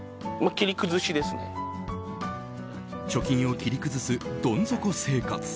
貯金を切り崩す、どん底生活。